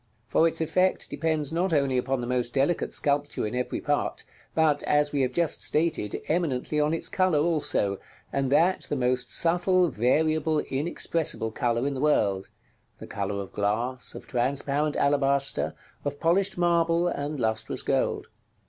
For its effect depends not only upon the most delicate sculpture in every part, but, as we have just stated, eminently on its color also, and that the most subtle, variable, inexpressible color in the world, the color of glass, of transparent alabaster, of polished marble, and lustrous gold.